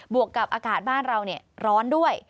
วกกับอากาศบ้านเราร้อนด้วย